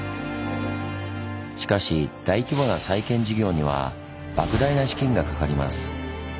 しかし大規模な再建事業には莫大な資金がかかります。